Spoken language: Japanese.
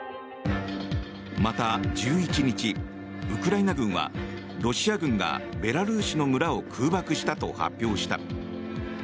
また１１日、ウクライナ軍はロシア軍がベラルーシの村を空爆したと発表した。